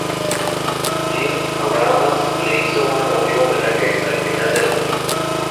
Jim Abrahams le hizo un emotivo homenaje al final de la película.